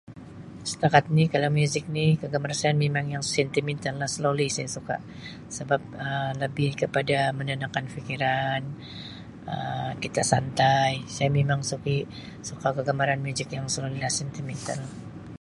Setakat ni kalau muzik ni kegemaran saya memang yang sentimental lah, slowly saya suka sebab Um lebih kepada menenangkan fikiran Um kita santai. Saya memang suki- suka kegemaran muzik yang slowly lah sentimental.